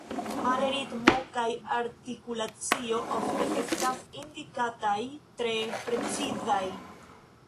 Male ritmo kaj artikulacio ofte estas indikataj tre precizaj.